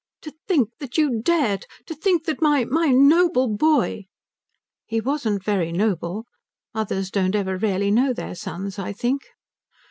"To think that you dared to think that my my noble boy " "He wasn't very noble. Mothers don't ever really know their sons, I think."